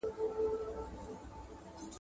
د ماره ماربچي زېږي، د اوره سرې سکروټي.